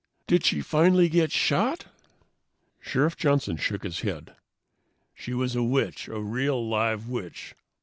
"Did she finally get shot?" Sheriff Johnson shook his head. "She was a witch, a real, live witch.